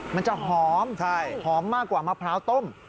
มันจะหอมหอมมากกว่ามะพร้าวต้ม